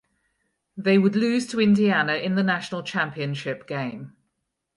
They would lose to Indiana in the national championship game.